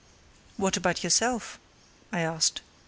"What about yourself?" I asked.